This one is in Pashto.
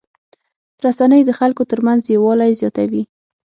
رسنۍ د خلکو ترمنځ یووالی زیاتوي.